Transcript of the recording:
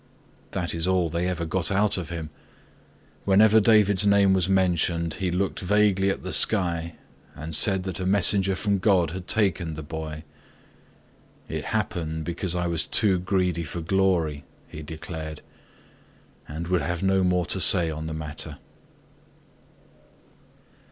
That is all they ever got out of him. Whenever David's name was mentioned he looked vaguely at the sky and said that a messenger from God had taken the boy. "It happened because I was too greedy for glory," he declared, and would have no more to say in the matter.